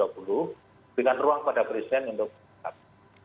bukan ruang pada presiden untuk menyesuaikan masalah ini